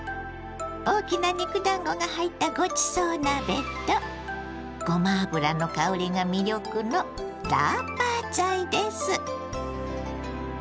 大きな肉だんごが入ったごちそう鍋とごま油の香りが魅力のラーパーツァイです。